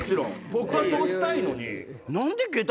僕はそうしたいのに。